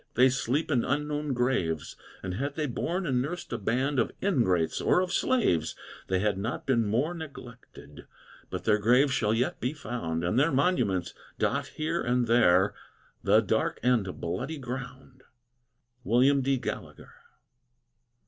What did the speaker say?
They sleep in unknown graves: And had they borne and nursed a band Of ingrates, or of slaves, They had not been more neglected! But their graves shall yet be found, And their monuments dot here and there "The Dark and Bloody Ground." WILLIAM D. GALLAGHER.